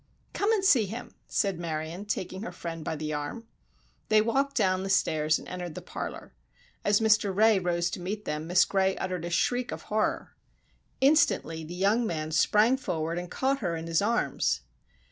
"Come and see him," said Marion, taking her friend by the arm. They walked down the stairs and entered the parlor. As Mr. Ray rose to meet them Miss Gray uttered a shriek of horror. Instantly the young man sprang forward and caught her in his arms.